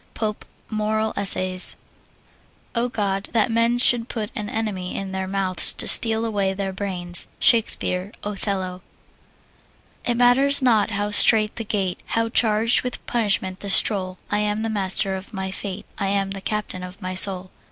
POPE, Moral Essays. O God, that men should put an enemy in their mouths to steal away their brains! SHAKESPEARE, Othello. It matters not how strait the gate, How charged with punishment the scroll, I am the master of my fate, I am the captain of my soul.